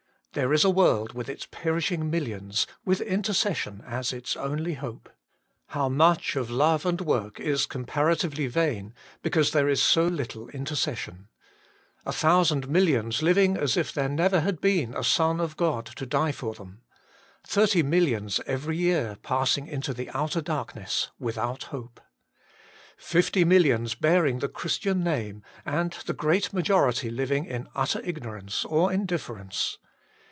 There is a world with its perishing millions, with intercession as its only hope. How much of love and work is compara tively vain, because there is so little intercession. A thousand millions living as if there never had GOD SEEKS INTERCESSORS 171 been a Son of God to die for them. Thirty millions every year passing into the outer darkness without hope. Fifty millions bearing the Christian name, and the great majority living in utter ignorance or indifference.